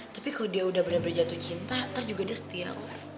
tapi kalau dia udah bener bener jatuh cinta nanti juga dia setia